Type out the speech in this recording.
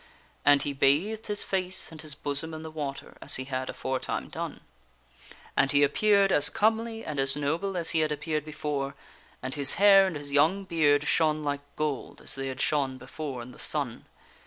And he bathed his face and his bosom in the water as he had aforetime done. And he appeared as comely and as noble as he had appeared before ; and his hair and his young beard shone like gold as they had shone before in the sun.